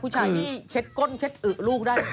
ผู้ชายนี่เช็ดก้นเช็ดอึลูกได้ไหม